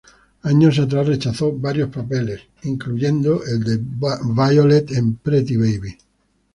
Años atrás, rechazó varios papeles incluyendo el de Violet en "Pretty Baby".